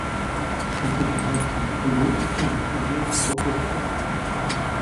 Cet opéra sera tombé après la troisième représentation.